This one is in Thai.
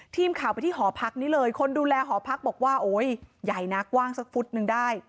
ทีมข่าวไปที่หอพักนี้เลยคนดูแลหอพักบอกว่าโอ๊ยใหญ่นักกว้างสักฟุตนึงได้